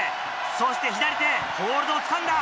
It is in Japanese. そして左手ホールドをつかんだ。